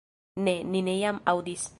Ne, ni ne jam aŭdis